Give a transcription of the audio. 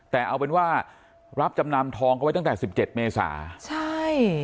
แต่เอาเป็นว่ารับจำนำทองก็ไว้ตั้งแต่สิบเจ็ดเมษาใช่